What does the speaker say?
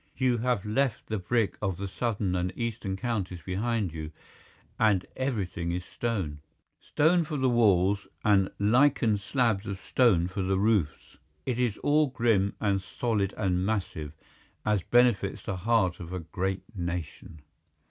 You have left the brick of the southern and eastern counties behind you, and everything is stone—stone for the walls, and lichened slabs of stone for the roofs. It is all grim and solid and massive, as befits the heart of a great nation.